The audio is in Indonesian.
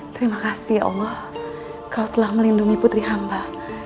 terima kasih allah kau telah melindungi putri hamba